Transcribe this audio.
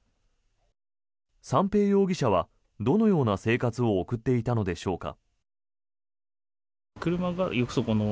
三瓶容疑者はどのような生活を送っていたのでしょうか。